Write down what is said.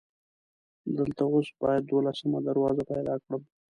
دلته اوس باید دولسمه دروازه پیدا کړم.